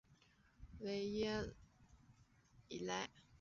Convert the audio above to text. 维耶伊莱。